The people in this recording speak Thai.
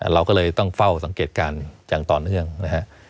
เราก็เลยต้องเฝ้าสังเกตการณ์อย่างต่อเนื่องนะฮะ